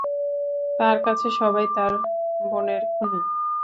তার কাছে সবাই তার বোনের খুনি।